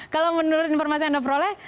kalau menurut informasi yang anda peroleh